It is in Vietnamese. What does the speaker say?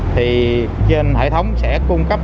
thì trên hệ thống sẽ cung cấp